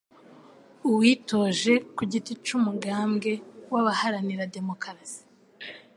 uwitoje ku giti c'umugambwe w'abaharanira Demokarasi